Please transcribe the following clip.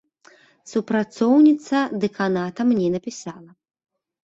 Супрацоўніца дэканата мне напісала.